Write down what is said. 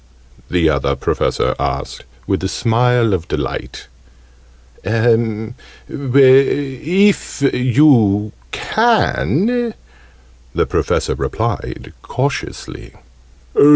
the Other Professor asked, with a smile of delight. "If you can," the Professor replied, cautiously.